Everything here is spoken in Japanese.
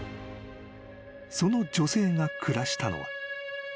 ［その女性が暮らしたのは］